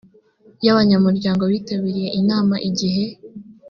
y abanyamuryango bitabiriye inama igihe